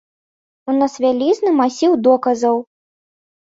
У нас вялізны масіў доказаў.